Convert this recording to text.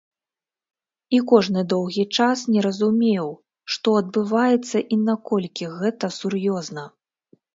І кожны доўгі час не разумеў, што адбываецца і наколькі гэта сур'ёзна.